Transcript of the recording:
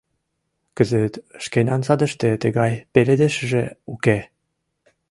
Кызыт шкенан садыште тыгай пеледышыже уке.